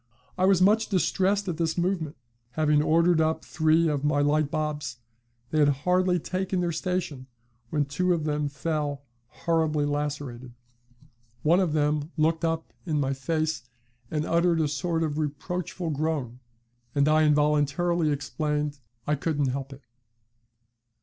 I was much distressed at this moment; having ordered up three of my light bobs, they had hardly taken their station when two of them fell horribly lacerated. One of them looked up in my face and uttered a sort of reproachful groan, and I involuntarily exclaimed, 'I couldn't help it.'